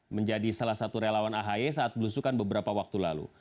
menjadi salah satu relawan ahy saat belusukan beberapa waktu lalu